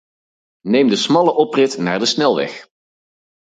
Neem de smalle oprit naar de snelweg.